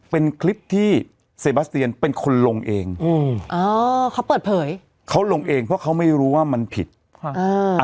เป็นคลิปที่เซบาสเตียนเป็นคนลงเองอืมอ่าเขาเปิดเผยเขาลงเองเพราะเขาไม่รู้ว่ามันผิดค่ะอ่า